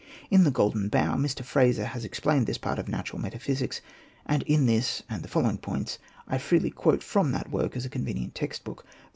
In the ^'Golden Bough" Mr. Frazer has explained this part of natural metaphysics ; and in this, and the following points, I freely quote from that work as a convenient text book.